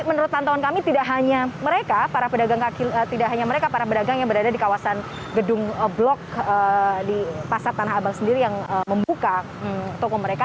menurut pantauan kami tidak hanya mereka para pedagang kaki tidak hanya mereka para pedagang yang berada di kawasan gedung blok di pasar tanah abang sendiri yang membuka toko mereka